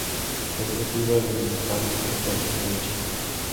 Es nativa del Nepal hasta el centro de China.